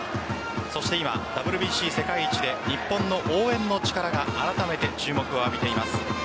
そして今ＷＢＣ世界一で日本の応援の力があらためて注目を浴びています。